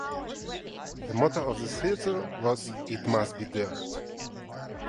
The motto of the theatre was "It must be dared".